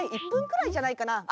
１分くらいじゃないかな？